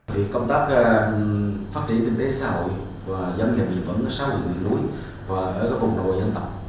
vì công tác phát triển kinh tế xã hội và giam hiệp vẫn ở sau miền núi và ở vùng đồi dân tộc